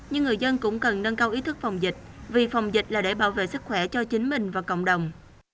nhưng người dân cũng cần nâng cao ý thức phòng dịch vì phòng dịch là để bảo vệ sức khỏe cho chính mình và cộng đồng